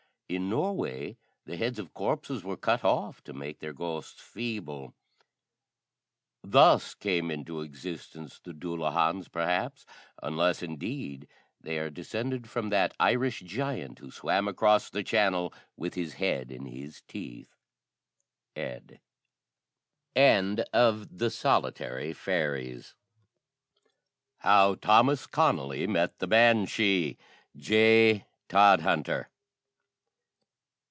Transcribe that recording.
In Norway the heads of corpses were cut off to make their ghosts feeble. Thus came into existence the Dullahans, perhaps; unless, indeed, they are descended from that Irish giant who swam across the Channel with his head in his teeth. ED.] HOW THOMAS CONNOLLY MET THE BANSHEE. J. TODHUNTER.